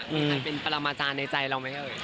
มีใครเป็นพลังมาจานในใจเราไหมเอ๋ย